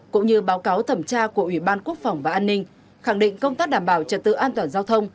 cũng như báo cáo thẩm tra của ủy ban quốc phòng và an ninh khẳng định công tác đảm bảo trật tự an toàn giao thông